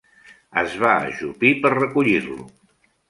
Es va ajupir per recollir-lo.